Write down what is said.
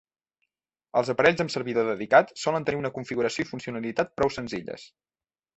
Els aparells amb servidor dedicat solen tenir una configuració i funcionalitat prou senzilles.